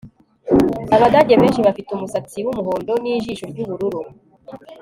Abadage benshi bafite umusatsi wumuhondo nijisho ryubururu